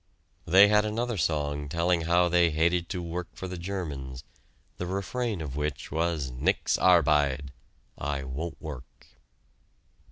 They had another song telling how they hated to work for the Germans, the refrain of which was "Nix arbide" (I won't work).